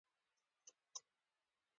سخت مخالفین را وبلل.